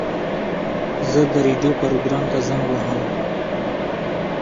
زه د راډیو پروګرام ته زنګ وهم.